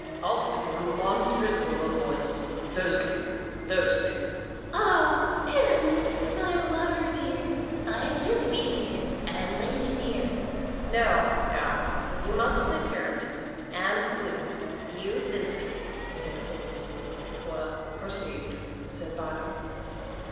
"I'll speak in a monstrous little voice. 'Thisne, Thisne!' 'Ah, Pyramus, my lover dear! Thy Thisby dear, and lady dear!'" "No, no! you must play Pyramus, and, Flute, you Thisby," said Quince. "Well, proceed," said Bottom.